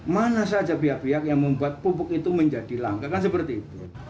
mana saja pihak pihak yang membuat pupuk itu menjadi langka kan seperti itu